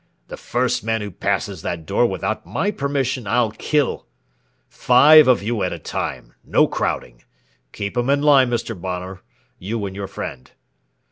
"The first man who passes that door without my permission I'll kill! Five of you at a time no crowding keep 'em in line, Mr. Bonner you and your friend!"